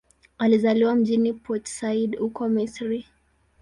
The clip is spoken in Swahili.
Alizaliwa mjini Port Said, huko Misri.